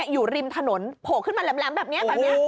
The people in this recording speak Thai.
อยู่ริมถนนโผล่ขึ้นมาแหลมแบบนี้แบบนี้